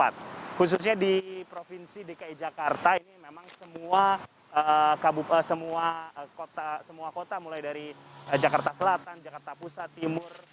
khususnya di provinsi dki jakarta ini memang semua kota mulai dari jakarta selatan jakarta pusat timur